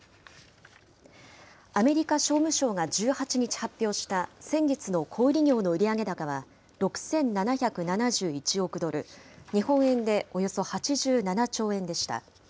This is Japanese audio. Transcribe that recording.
アメリカ商務省が１８日発表した、先月の小売り業の売上高は６７７１億ドル、日本円でおよそ８７兆円でした。